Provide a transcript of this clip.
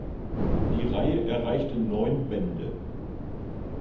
Die Reihe erreichte neun Bände.